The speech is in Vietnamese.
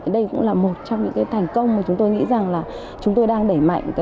đây cũng là một trong những thành công mà chúng tôi nghĩ rằng là chúng tôi đang đẩy mạnh